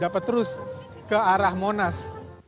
dapat terus ke arah monas